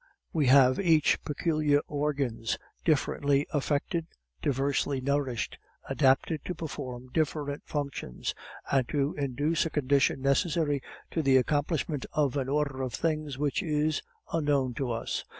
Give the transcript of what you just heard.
We have each peculiar organs, differently affected, diversely nourished, adapted to perform different functions, and to induce a condition necessary to the accomplishment of an order of things which is unknown to us.